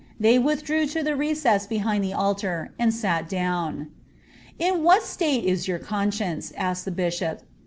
They withdreS IC the recess behind the altar, and sat down. •* In what atate is your conscience ^" asked the biabof). ' Tytrell.